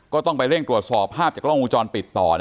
ก็ต้องไปเร่งตรวจสอบภาพจากกล้องวงจรปิดต่อ